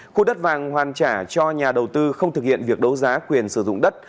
khu đất vàng hoàn trả cho nhà đầu tư không thực hiện việc đấu giá quyền sử dụng đất